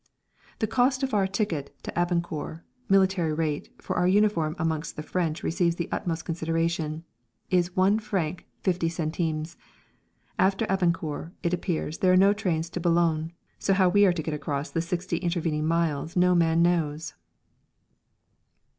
The cost of our ticket to Abancour (military rate, for our uniform amongst the French receives the utmost consideration) is 1 franc 50 centimes. After Abancour, it appears, there are no trains to Boulogne, so how we are to get across the sixty intervening miles no man knows!